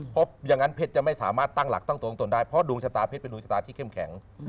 เพราะอย่างนั้นเพชรจะไม่สามารถตั้งหลักตั้งตัวตรงตนได้เพราะดวงชะตาเพชรเป็นดวงชะตาที่เข้มแข็ง